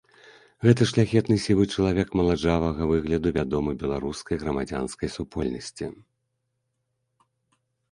Гэты шляхетны сівы чалавек маладжавага выгляду вядомы беларускай грамадзянскай супольнасці.